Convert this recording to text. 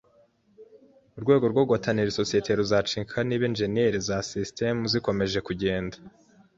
Urwego rwo guhatanira isosiyete ruzacika niba injeniyeri za sisitemu zikomeje kugenda